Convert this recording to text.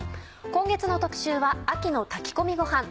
今月の特集は「秋の炊き込みごはん」。